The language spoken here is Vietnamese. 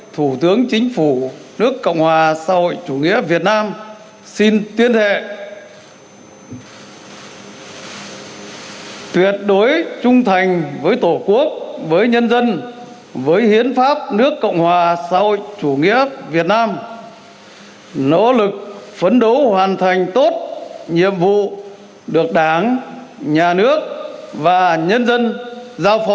thủ tướng chính phủ nước cộng hòa xã hội chủ nghĩa việt nam xin tuyên thệ tuyệt đối trung thành với tổ quốc với nhân dân với hiến pháp nước cộng hòa xã hội chủ nghĩa việt nam nỗ lực phấn đấu hoàn thành tốt nhiệm vụ được đảng nhà nước và nhân dân giao phó